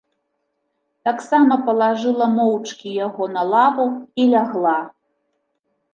Таксама палажыла моўчкі яго на лаву і лягла.